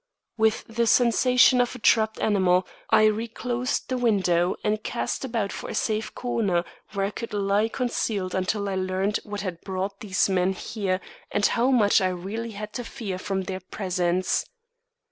With the sensation of a trapped animal, I reclosed the window and cast about for a safe corner where I could lie concealed until I learned what had brought these men here and how much I really had to fear from their presence.